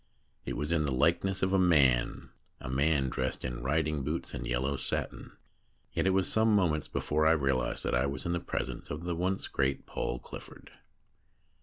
It was in the likeness of a man, a man dressed in riding boots and yellow satin ; yet it was some moments before I realised that I was in the presence of the once great Paul Clifford.